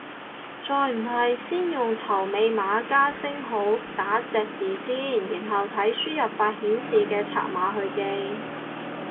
再唔係先用頭尾碼加星號打隻字先，然後睇輸入法顯示嘅拆碼去記